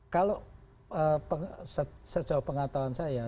kalau sejauh pengatauan saya